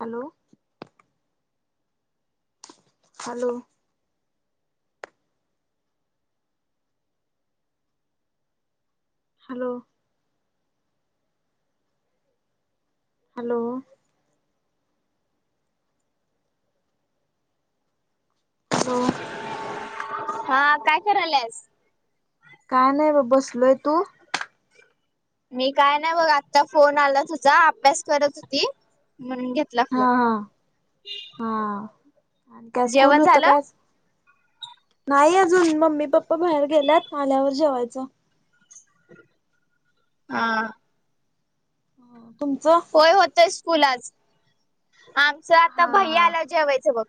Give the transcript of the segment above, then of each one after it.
Hello. Hello hello. Hello. Hello. हा काय करायल्यास? काय नाय बा बसलोय तू? मी काय नाही बघ आता फोन आला तुझा अभ्यास करत होती म्हणून घे हा हा हा आणि काय स्कूल जेवण होतं झालं काय आज? नाही अजून मम्मी पप्पा बाहेर गेल्यात आल्यावर जेवायच. आं तुमचं होय होतं स्कुल आज आमचा आता हा भैया हा आल्यावर जेवायचं बघ.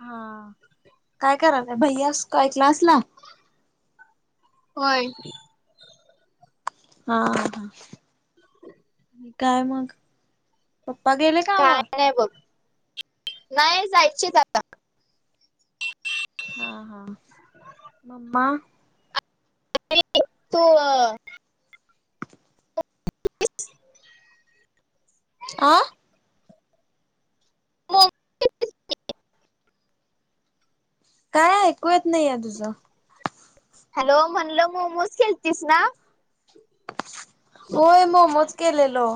हा काय करालाय भैयास काय क्लास ला? होय. हा हा. [unintelligible] नी काय मग? पप्पा गेले का? काय नाही बघ नाही जायचेत आता. हा हा मम्मा? [unintelligible] आं [unintelligible] काय ऐकू येत नाही आहे तुझं. हॅलो म्हणलं मोमोज केलतीस ना? होय मोमोज केलेलो.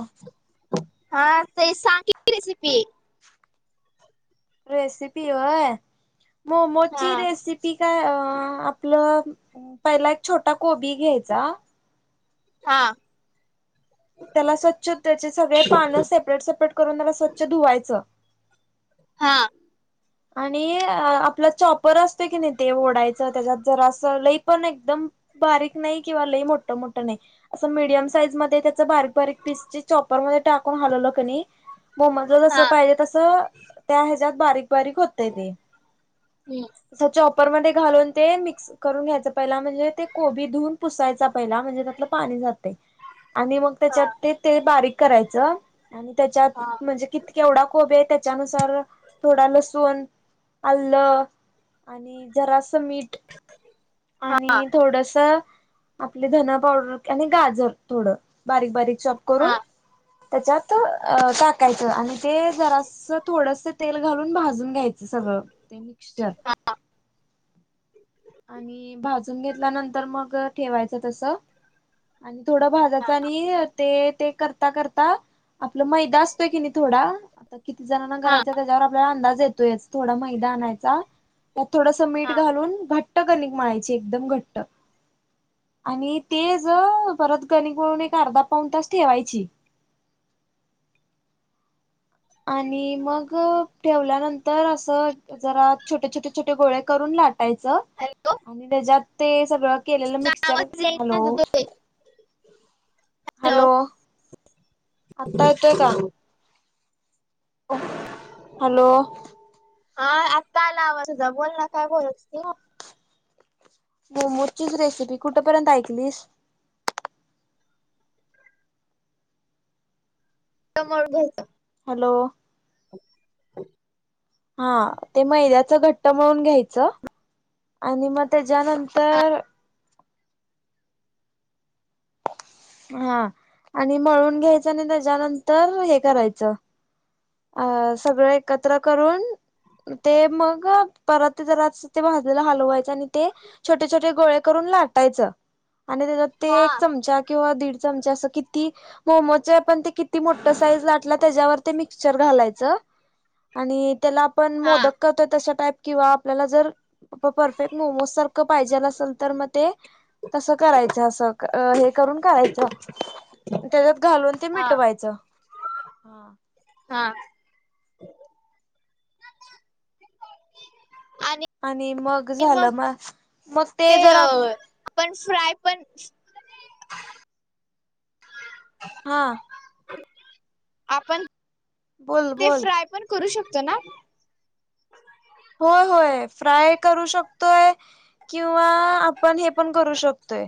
हा ते सांग की रेसिपी? रेसिपी व्हय हा मोमोसची रेसि पी काय अ आपलं पहिला एक छोटा कोबी घ्यायचा हा. त्याला स्वच्छ त्याचे सगळे पानं सेपरेट सेपरेट करून त्याला स्वच्छ धुवायचं हां. आणि आपला चॉपर असतो की नाही ते ओडायचं त्याच्यात जरा असं लई पण एकदम बारीक नाही किंवा लई मोठं-मोठं नाही असं मीडियम साईज मध्ये च बारीक बारीक पिस चे चॉपर मधे टाकून हलवलं कनी मोमोजला हा जसं पाहिजे तसं त्या ह्याजात बारीक-बारीक होतय ते हम्म असं चॉपर मध्ये घालून ते मिक्स करून घ्यायचं. पहिला म्हणजे ते कोबी धुऊून पुसायचा पहिला म्हणजे त्यातलं पाणी जातय आणि मग हा त्याच्यात ते ते बारीक करायचं आणि त्याच्यात हां. म्हणजे कित केवढा कोबी आहे त्याच्यानुसार थोडा लसूण, आलं आणि जरासं मीठ हा आणि थोडंसं आपले धना पावडर आणि गाजर थोडं बारीक बारीक चॉप करून हा त्याच्यात टाकायचं आणि ते जरास थोडस तेल घालून भाजून घ्यायचं सगळं ते मिक्स्चर. हा आणि भाजून घेतल्यानंतर मग ठेवायचं तस. आणि थोडं भाजायच आणि ते ते करता करता आपलं मैदा असतोय की नाही थोडा आता किती जणांना हा करायच त्याच्यावर आपल्याला अंदाज येतोयच. थोडा मैदा आणायचा त्यात थोडस हा मीठ घालून घट्ट कणिक माळायची एकदम घट्ट. आणि ते ज परत कणिक मळून एक अर्धा पाऊन तास ठेवायची. आणि मग ठेवल्यानंतर असं जरा छोटे छोटे छोटे गोळे करून लाटायचं. हॅलो. आणि त्याच्यात ते सगळं केलेलं मिक्चर आवाज येईना हॅलो. तुझा हॅलो. आत्ता येतोय का? [inaudible] हं हॅलो. हा आत्ता आला आवाज तुझा बोल ना काय बोलत होती. मोमोची रेसिपी कुठपर्यंत ऐकलीस. घट्ट मळून घ्यायचा हॅलो ह हा ते मैद्याचं घट्ट मळून घ्यायचं. आणि मग हा त्याच्यानंतर हा आणि मळून घ्यायचं आणि त्याच्यानंतर हे करायचं. अ सगळं एकत्र करून ते मग परातीत जरा भाजलेल हलवायचं आणि ते छोटे छोटे गोळे करून लाटायचं आणि त्याच्यात ते एक हा चमचा किंवा दीड चमचा असं किती मोमोजचे आपण ते किती मोठ साईज लाटला त्याच्यावर ते मिक्चर घालायचं. आणि त्याला आपण हा मोदक कर तशा टाईप किंवा आपल्याला जर परफेक्ट मोमोज सारख पाहिजेल असेल तर मग ते तसं करायचं असं हे. करून करायच त्याच्यात घालून ते हा मिटवायच. हा. आणि आणि मग झालं मग मग ते जरा पण फ्राय पण हं हा. आपण बोल ते बोल फ्राय पण करू शकतो ना. होय होय फ्राय करू शकतोय‌. किंवा आपण हे पण करू शकतोय.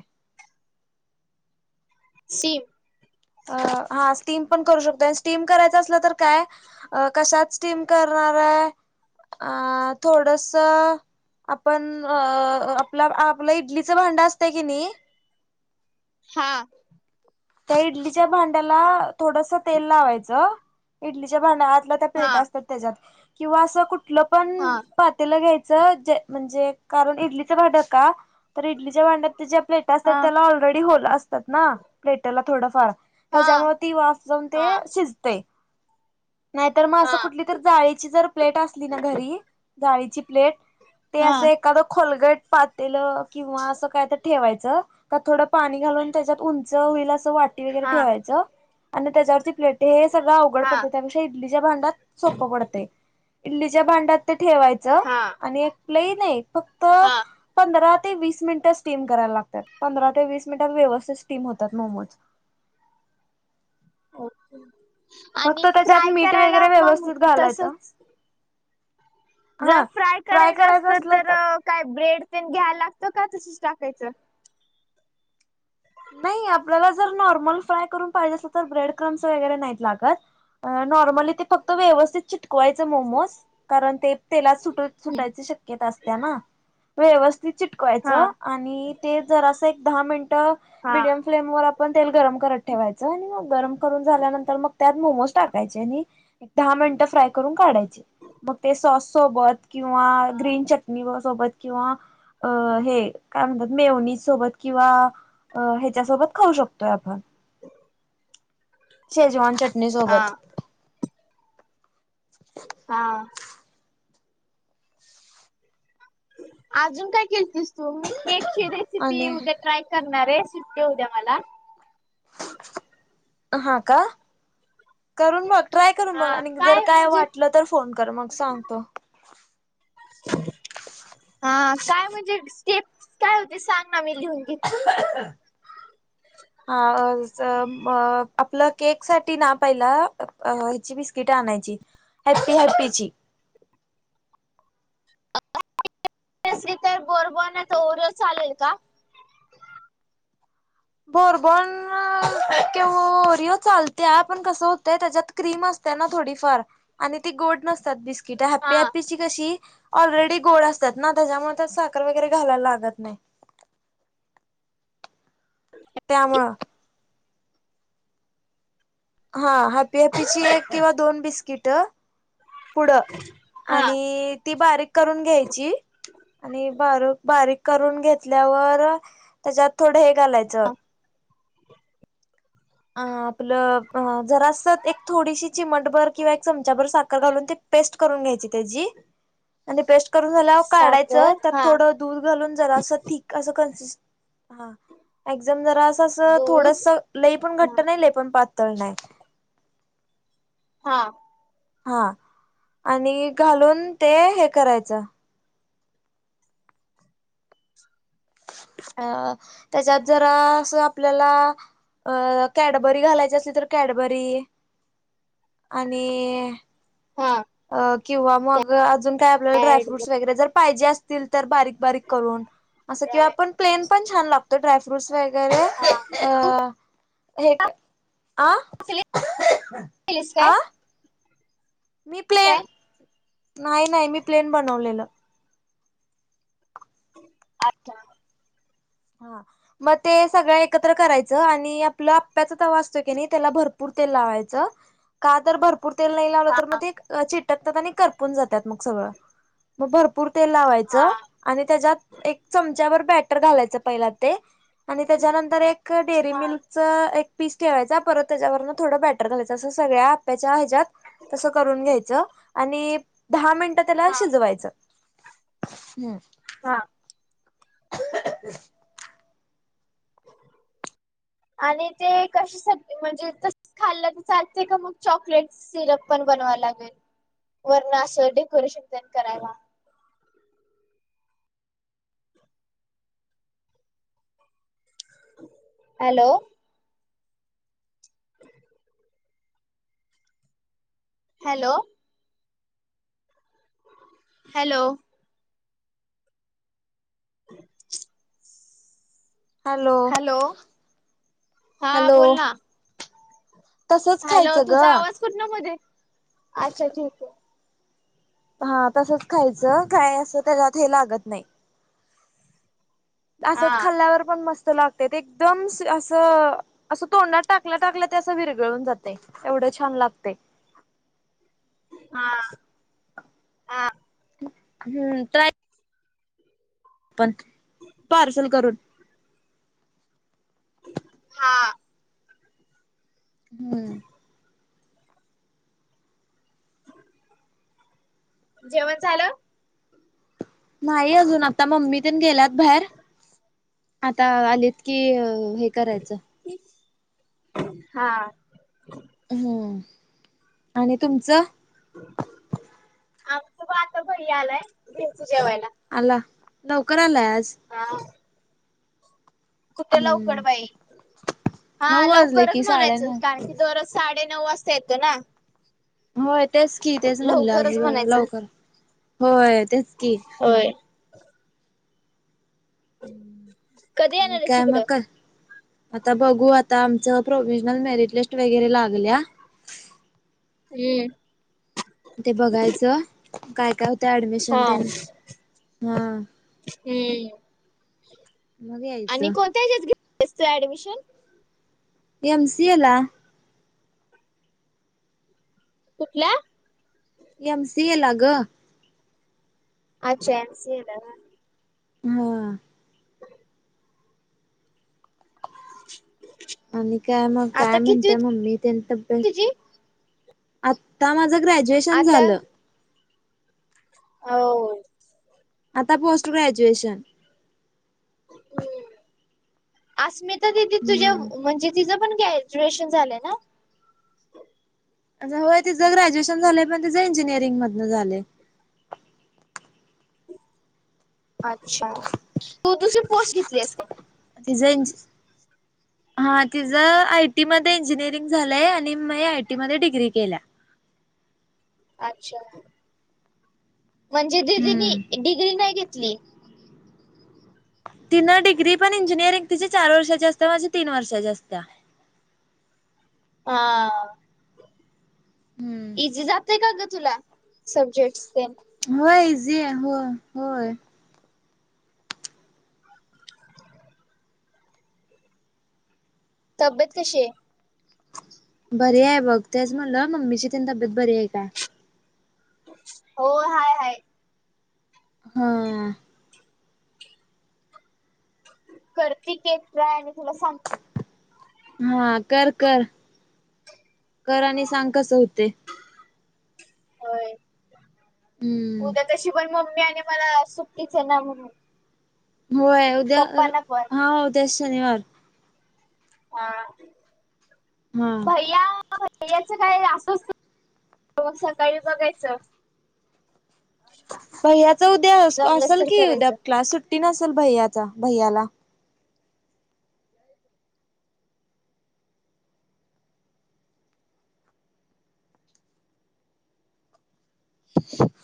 स्टीम अ हा स्टीम पण करू शकतो स्टीम करायचं असलं तर काय अ कशात स्टीम करणाराय अ थोडंस आपण अ आपला आपलं इडलीच भांडं असतंय की नी हा त्या इडलीच्या भांड्याला थोडंस तेल लावायचं इडलीच्या भांड्या आतलं त्या हा प्लेट असतात त्याच्यात किंवा असं कुठलं पण हा पातेलं घ्यायचं जे म्हणजे कारण इडलीचं भांडं का तर इडलीच्या भांड्यात त्याच्या प्लेट असतात हा त्याला ऑलरेडी होल असतात ना प्लेटला थोडंफार हा त्याच्यामुळं ती वाफ जाऊन ते हा शिजते नायतर म असं हा कुठली तर जाळीची जर प्लेट असली ना घरी जाळीची प्लेट ते हा असे -खादं खोलगट पातेलं किंवा असं काय त ठेवायचं का थोडं पाणी घालून त्याच्यात उंच हुईल असं वाटी वगैरे हा ठेवायचं आणि त्याच्यावरती प्लेट ते सगळं अवघड हा पडतं त्यापेक्ष् इडलीच्या भांड्यात सोपं पडतंय इडलीच्या भांड्यात ते ठेवायचं हा. आणि एक लई नई फक्त हा पंधरा ते वीस मिनटं स्टीम कराय लागत्यात पंधरा ते वीस मिनिटात व्यवस्थित स्टीम होतात मोमोज. हं आणि फक्त त्याच्यात फ्राय मीठ करायला वगैरे मग व्यवस्थित घालायचं. तसच जर फ्राय करायचं असतेत तर काय ब्रेड तेण घ्याय लागतं का तसंच टाकायचं? नाई आपल्याला जर नॉर्मल फ्राय करून पायजे असलं तर ब्रेड क्रम्स वगैरे नाईत लागत. नॉर्मली ते फक्त व्यवस्थित चिट -कवायचे मोमोज कारण ते तेलात सुट सुटायची शक्यता असत्या ना. व्यवस्थित हा चिटकवायचं आणि ते जरा असं एक दहा मिनटं हा मिडियम फ्लेम वर आपण तेल गरम करत ठेवायचं आणि म गरम करून झाल्यानंतर मग त्यात मोमोज टाकायचे अणि एक दहा मिनटं फ्राय करून काढायचे. मग ते सॉस सोबत किंवा ग्रीन चटणी ब सोबत किंवा अ हे काय म्हणतात मेवनीज सोबत किंवा अ ह्याच्यासोबत खाऊ शकतोय आपण. शेजवान चटणी हा सोबत. हा. अजून काय केलतीस तू मी केक ची रेसिपी आणि उद्या ट्राय करणारे सुट्टीये उद्या मला. हा का. करून बग ट्राय करून हा बघ आणि जर काय म्हणजे वाटलं तर फोन कर मग सांगतो. हा काय म्हणजे स्टेप काय होती सांगना मी लिहून घेते. [unintelligible] हा व ज म आपलं केक साठीना पईलं अं ह्याची बिस्किटं आणायची हॅपी हॅपी चि. [unintelligible] नसली तर बोरबॉनंच ओरिओ चालेल का? बोरबॉन कींवा ओरिओ चाल त्या आपन कसं होतंय त्याच्यात क्रीम असते ना थोडीफार आनी ती गोड नसतात बिस्क् -कीटं हा हॅप्पी हॅप्पी ची कशी ऑलरेडी गोड अस्त्यात ना त्याच्यामुळं त्यात साखर वगैरे घालाय लागत नाई. त्यामुळं हा हॅपी हॅपीची एक किंवा दोन बिस्किटं पुडं हा आनी ती बारीक करून घ्यायची. आनी बारुक बारीक करून घेत्ल्यावर त्याच्यात थोडं हे घालायचं. अ आपलं अ जरासं एक थोडीशी चिमट भर किंवा एक चमचाभर साखर घालून ते पेस्ट करून घ्यायची त्याची आनी पेस्ट करून झाल्याव काढायचं साखर त्यात हा थोडं दूध घालून जरासं ती कासं कन्सीस हा एक्झम जरा तसं थोडस दूध लई पन घट्ट नाई लई पन पातळ नाई. हा. हा आनी घालून ते हे करायचं. अ त्याच्यात जरासं आपल्याला अ कॅडबरी घालायची असली तर कॅडबरी आनी हा. अ किंवा मग अजून काय आपल्याला ऍड ड्रायफ्रुट्स वगैरे जर पाईजे तील तर बारीक बारीक करून असं किंवा ड्राय पन प्लेन पन छान लागतो. त ड्राय फ्रूट्स वगैरे हा अ हे क आ. केलीस काय आ. मी प्ले काय? नाही नाही मी प्लेन बनवलेलं. अच्छा हा. म ते सगळं एकत्र करायचं आणि आपलं आप्प्याचा तवा असतो की नाई त्याला भरपूर तेल लावायचं. का तर भरपूर तेल नाइ लावलं तर मग ते चिकटतात आणि करपून जात्यात मग सगळं भरपूर पूर तेल हा लावायचं आनी त्याच्यात एक चमच्याभर बॅटर घालायचं. पहीला ते आणि त्याच्यानंतर एक डेअरी हा मिल्क च एक पीस ठेवायचा परत त्याच्यावरन थोडं बॅटर घालायचं असं सगळ्या आप्याच्या ह्येच्यात. तसं करून घ्यायचं आणि दहा मिनंट त्याला हा शीजवायचं हम्म. हा. [unintelligible] [inaudible] आनी ते कशासाठी म्हणजे खाल्लं तत चालते का मग चॉकलेट्स सिरप पण बनवा लागेल वरनं असं डेकोरेशन तेन करायला. Hello hello. हॅलो [unintelligible] हॅलो हा बोल हॅलो ना, तसच हॅलो खायचं ग तुझा आवाज कुठन मध्येच अच्छा ठीकेय. हा तसच खायचं काय असं त्याच्यात हे लागत नाई. आसच हा खाल्ल्यावर पण मस्तं लागतंय. ते एकदमस असं असं तोंडात टाकल्या टाकल्या ते असं विरगळून जातय. एवढं छान लागतंय. हा. हा हम्म ड्राय पण पार्सल करून हा हम्म. जेवण झालं? न्हाई अजून आता मम्मी तेन गेल्यात भायेर, आता आलीत की अ हे करायचं. हा. हम् आणि तुमचं. आमचं ब आता भय्या आलाय घेतु जेवायला. आला लवकर आलाय आज. हा. कुठं लवकर हम्म बाई, हा नऊ वाजले लवकरच की म्हणायचं साडेनऊ. कारण की दरोज साडे नऊ वाजता येतो ना. होय तेच की तेच म्हणलं आज लवकरच ल म्हणायचं. लवकर होय तेच् होय. कधी येणार आणि आहेस काय म इकडं? क् आता बघू आता आमचं प्रोव्हजनल मेरिट लिस्ट वगैरे लागल्या हम्. ते बघायचं काय काय होत् ते एडमिशन हा तेन हां हम्म मग यायचं. त्याच्यात घेतलंस तू ऍडमिशन. एम. सि. ए. ला कुठल्या? एम. सी. ए. ला गं. अच्छा एम. सी. ए. ला ना. हा. [inaudible] आणि काय मग काय आता कितवी म्हणते मम्मी तेनं तब्येत तुझी? आत्ता माझं ग्रॅज्युएशन आता झालं. [unintelligible] आता पोस्ट ग्रॅज्युएशन. अस्मिता दिदि तुझ्या हम्म म्हणजे तिचं पण ग्रॅज्युएशन झालंय ना. अच्छा होय तिजं ग्रॅज्युएशन झालंय पण तिजं इंजिनिअरि मधनं झालंय. अच्छा तू दुसरी पोस्ट घेतलीयस काय? तिझ इंज हा तिझं आय. टी. मध्ये इंजिनिअरिंग झालंय आणि मी आय. टी. मध्ये डिग्री केल्या. अच्छा, म्हणजे दिदीनी हम्म डिग्री नाई घेतली. तिनं डिग्री पण इंजिनिअरिंग तिची चार वर्षाची असते माझी तीन वर्षाची असत्या. हा. हम्म ईझी जातंय का ग तुला सब्जेक्ट्स तेन् होय इझीये होय होय. तब्येत कशीय? बरी आय बघ तेच म्हणलं मम्मीची तेनं तब्येत बरी आय काय. हो हाय हाय. हां. करती केक ट्राय आणि तुला सांगती. मग हा करकर,, कर आणि सांग कसं हूतंय. होय, हम्म उद्या तशी पण मम्मी आणि मला सुट्टीचं आहे ना म्हणून. होय उद्या तर, पप्पांना पण हां उद्या शनिवार. हा हा भैय्या हा भैय्याचं काय असंच रोज सकाळी बघायचं. भैयाचं उद्या जमलंच असल तर की उद्या करायचं क्लास, सुट्टी नसल भैयाच भैयाला. सु [inaudible]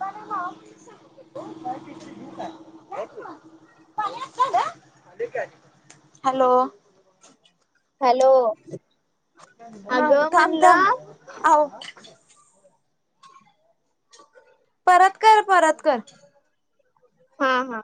बनव मग, [unintelligible] हो पार्टी तर घेऊ काय, घ्याकी मग, पाणी आता आलं, ते काय. हॅलो! हॅलो! हा अगं थांब थांब, म्हणलं अहो ठो [inaudible] परत कर परत कर. हा हा.